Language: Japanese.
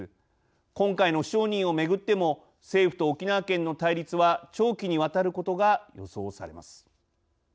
今回の不承認をめぐっても政府と沖縄県の対立は長期にわたることが予想されます。